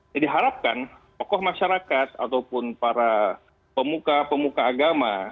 jadi harapkan tokoh masyarakat ataupun para pemuka pemuka agama